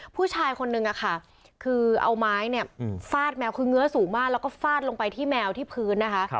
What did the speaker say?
ผู้ชายคนนึงค่ะคือเอาไม้เนี่ยฟาดแมวคือเงื้อสูงมากแล้วก็ฟาดลงไปที่แมวที่พื้นนะคะ